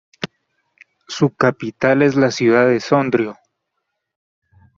Su capital es la ciudad de Sondrio.